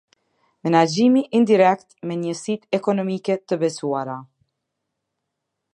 Menaxhimi indirekt me njësitë ekonomike të besuara.